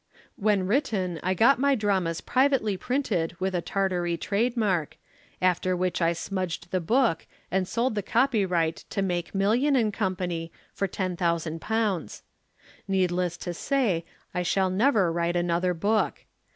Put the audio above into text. When written, I got my dramas privately printed with a Tartary trademark, after which I smudged the book and sold the copyright to Makemillion & Co. for ten thousand pounds. Needless to say I shall never write another book.